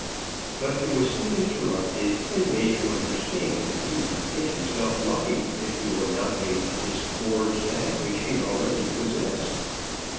But he was soon interrupted, and made to understand that he might think himself lucky if he were not made to disgorge that which he already possessed.